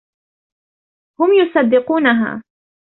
هم يصدقونها.